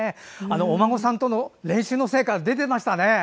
お孫さんとの練習の成果が出ていましたね。